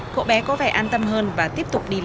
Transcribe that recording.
cô hỏi em tên là gì